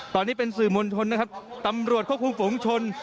ตอนนี้เป็นสื่อมวลชนนะครับตำรวจควบคุมฝุงชน